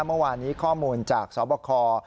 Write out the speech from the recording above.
เมื่อวานนี้ข้อมูลจากสบค